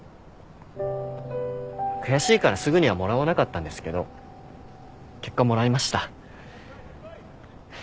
悔しいからすぐにはもらわなかったんですけど結果もらいました。